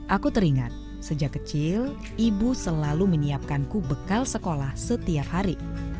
aku teringat sejak kecil ibu selalu menyiapkanku bekal sekolah setiap hari